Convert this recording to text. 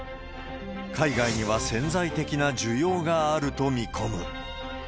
海外には潜在的な需要があると見込む。